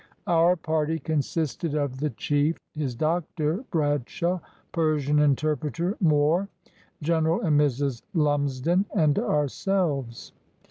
Our party consisted of the chief, his doctor (Bradshaw), Persian interpreter (Moore), General and Mrs. Lumsden, and ourselves.